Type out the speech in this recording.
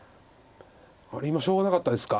あれ今しょうがなかったですか。